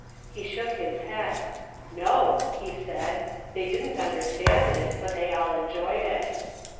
He shook his head. "No," he said, "they didn't understand it, but they all enjoyed it."